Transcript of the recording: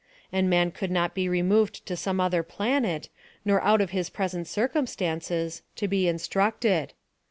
And man could not be removed to some other planet, nor out of his present circumstances, to be instructed.